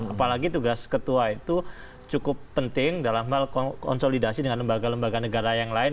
apalagi tugas ketua itu cukup penting dalam hal konsolidasi dengan lembaga lembaga negara yang lain